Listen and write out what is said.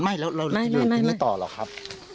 ไม่แล้วเราอยู่ที่นี่ต่อหรอครับ